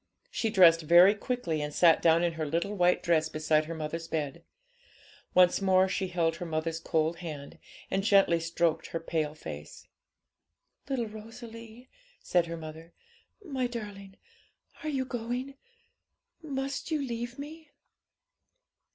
She dressed very quickly, and sat down in her little white dress beside her mother's bed. Once more she held her mother's cold hand, and gently stroked her pale face. 'Little Rosalie,' said her mother, 'my darling, are you going? must you leave me?'